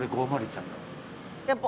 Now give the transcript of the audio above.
やっぱ。